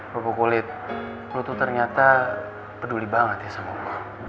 bubuk kulit lo tuh ternyata peduli banget ya sama gue